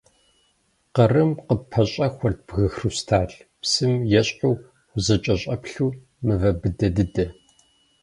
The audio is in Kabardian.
Къырым къыппэщӏэхуэрт бгы хрусталь – псым ещхьу узэкӏэщӏэплъу мывэ быдэ дыдэ.